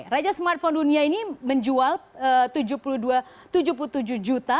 raja smartphone dunia ini menjual tujuh puluh tujuh juta